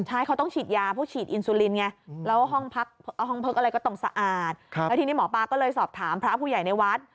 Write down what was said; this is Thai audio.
ใช่เขาต้องฉีดยาพวกฉีดอินซูลินไงแล้วห้องพักห้องพักอะไรก็ต้องสะอาดแล้วทีนี้หมอปลาก็เลยสอบถามพระผู้ใหญ่ในวัด